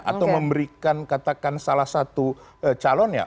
atau memberikan katakan salah satu calonnya